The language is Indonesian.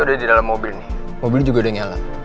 ada di dalam mobil nih mobilnya juga udah nyala